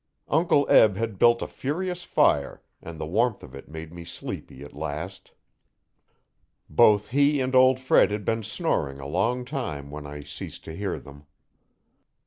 Uncle Eb had built a furious fire and the warmth of it made me sleepy at last. Both he and old Fred had been snoring a long time when I ceased to hear them.